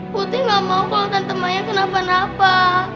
putih gak mau kalau tante mayang kenapa napa